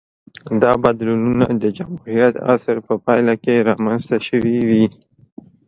دا بدلونونه د جمهوریت عصر په پایله کې رامنځته شوې وې